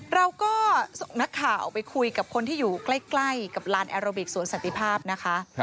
เราก็ส่งนักข่าวไปคุยกับคนที่อยู่ใกล้กับลานแอโรบิกสวนสันติภาพนะคะ